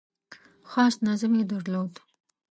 خاص نظم یې درلود .